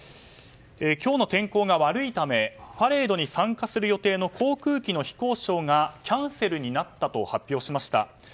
今日の天候が悪いためパレードに参加する予定の航空機の飛行ショーがキャンセルになったと発表しました。